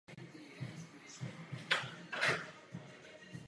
Ten jeho stížnost odmítne.